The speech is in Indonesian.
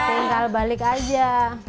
tinggal balik aja